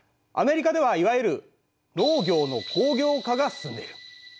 アメリカではいわゆる農業の工業化が進んでいる。